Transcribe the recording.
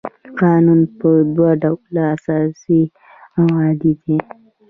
قانون په دوه ډوله اساسي او عادي دی.